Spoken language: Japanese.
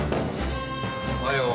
おはよう。